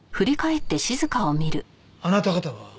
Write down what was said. あなた方は？